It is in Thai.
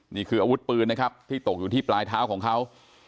นี่คืออาวุธปืนนะครับที่ตกอยู่ที่ปลายเท้าของเขา